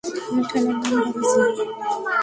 ঠেলার নাম বাবাজি।